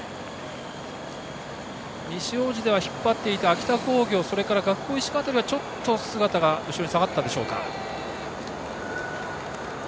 西大路では引っ張っていた秋田工業、学法石川辺りは少し後ろに下がったでしょうか。